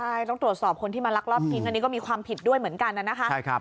ใช่ต้องตรวจสอบคนที่มาลักลอบทิ้งอันนี้ก็มีความผิดด้วยเหมือนกันนะคะ